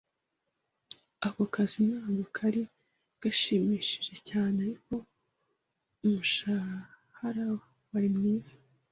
Ako kazi ntabwo kari gashimishije cyane. Ariko, umushahara wari mwiza.